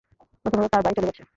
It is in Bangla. প্রথমত তার ভাই চলে গেছে।